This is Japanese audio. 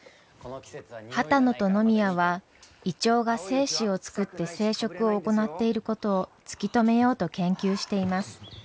波多野と野宮はイチョウが精子を作って生殖を行っていることを突き止めようと研究しています。